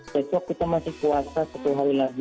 besok kita masih puasa satu hari lagi